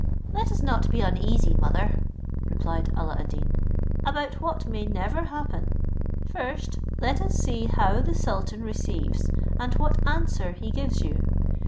"Let us not be uneasy, mother," replied Alla ad Deen, "about what may never happen. First, let us see how the sultan receives, and what answer he gives you.